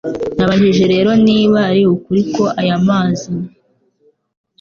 Nabajije rero nti Niba ari ukuri ko aya mazi